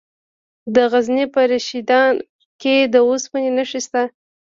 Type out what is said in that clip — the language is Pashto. د غزني په رشیدان کې د اوسپنې نښې شته.